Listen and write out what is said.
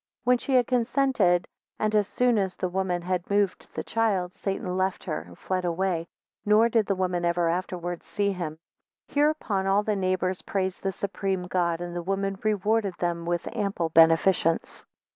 14 When she had consented, and as soon as the woman had moved the child, Satan left her, and fled away, nor did the woman ever afterwards see him. 15 Hereupon all the neighbors praised the Supreme God, and the woman reward them with ample, beneficence.